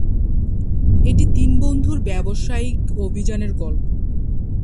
এটি তিন বন্ধুর ব্যবসায়িক অভিযানের গল্প।